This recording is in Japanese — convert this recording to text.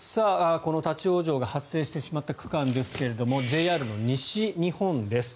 この立ち往生が発生してしまった区間ですがＪＲの西日本です。